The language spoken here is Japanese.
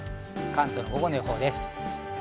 関東の午後の予報です。